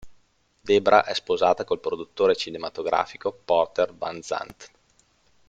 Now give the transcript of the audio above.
Debra è sposata col produttore cinematografico Porter Van Zandt.